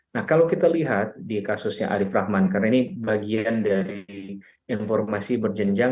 nah kalau kita lihat di kasusnya arief rahman karena ini bagian dari informasi berjenjang